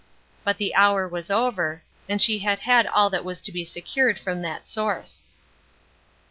But the hour was over, and she had had all that was to be secured from that source.